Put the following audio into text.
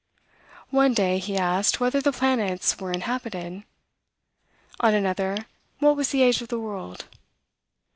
One day, he asked, whether the planets were inhabited? On another, what was the age of the world?